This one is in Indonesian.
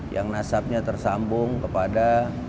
yang nasabnya tersambung kepada